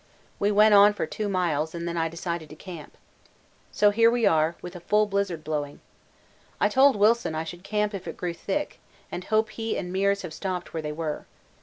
We went on for 2 miles and then I decided to camp. So here we are with a full blizzard blowing. I told Wilson I should camp if it grew thick, and hope he and Meares have stopped where they were.